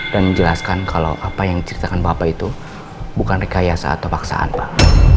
dan menjelaskan kalau apa yang diceritakan bapak itu bukan rekayasa atau paksaan pak